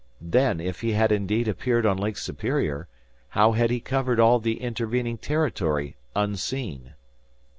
Then, if he had indeed appeared on Lake Superior, how had he covered all the intervening territory unseen?